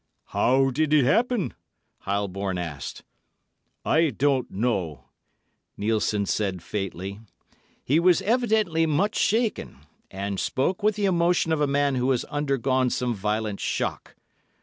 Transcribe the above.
"How did it happen?" Heilborn asked. "I don't know," Nielssen said faintly. He was evidently much shaken, and spoke with the emotion of a man who has undergone some violent shock.